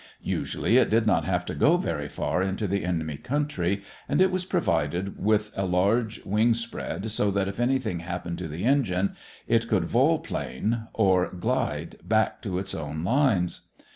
Usually it did not have to go very far into the enemy country, and it was provided with a large wing spread, so that if anything happened to the engine, it could volplane, or glide back, to its own lines.